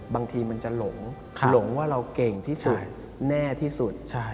บางทีมันจะหลงหลงว่าเราเก่งที่สุดแน่ที่สุด